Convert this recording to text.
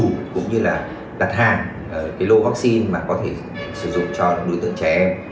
về công tác chuẩn bị này nó đã giúp cho cái việc dự trù cũng như là đặt hàng cái lô vaccine mà có thể sử dụng cho đối tượng trẻ em